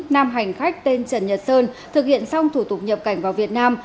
nam hành khách tên trần nhật sơn thực hiện xong thủ tục nhập cảnh vào việt nam